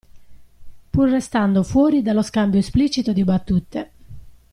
Pur restando fuori dallo scambio esplicito di battute.